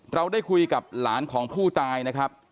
เราได้คุยกับหลานของผู้ตายนะครับ